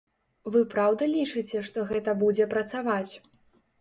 Вы праўда лічыце, што гэта будзе працаваць?